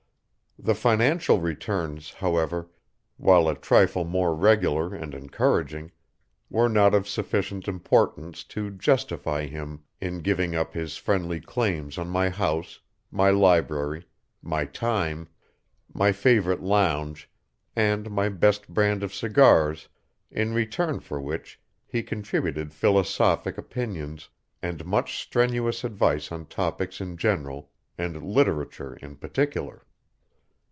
The financial returns, however, while a trifle more regular and encouraging, were not of sufficient importance to justify him in giving up his friendly claims on my house, my library, my time, my favorite lounge, and my best brand of cigars, in return for which he contributed philosophic opinions and much strenuous advice on topics in general and literature in particular.